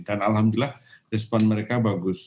dan alhamdulillah respon mereka bagus